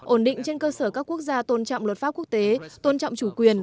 ổn định trên cơ sở các quốc gia tôn trọng luật pháp quốc tế tôn trọng chủ quyền